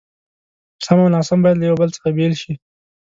سم او ناسم بايد له يو بل څخه بېل شي.